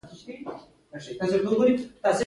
پاک ساتم ځایونه مې